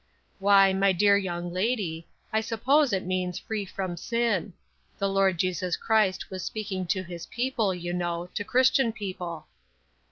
"Why, my dear young lady, I suppose it means free from sin. The Lord Jesus Christ was speaking to his people, you know, to Christian people."